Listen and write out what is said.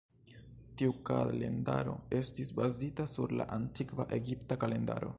Tiu kalendaro estis bazita sur la antikva Egipta kalendaro.